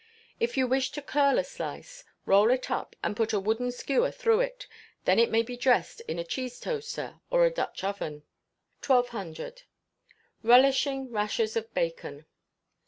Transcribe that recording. If you wish to curl a slice, roll it up, and put a wooden skewer through it; then in may be dressed in a cheese toaster or a Dutch oven. 1200. Relishing Rashers of Bacon.